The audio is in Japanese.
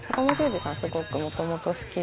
すごくもともと好きで。